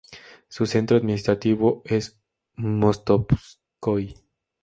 Su centro administrativo es Mostovskói.